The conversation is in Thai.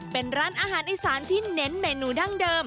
เป็นร้านอาหารอีสานที่เน้นเมนูดั้งเดิม